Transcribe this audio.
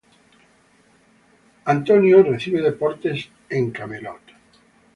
Will recibe deportes en Camelot.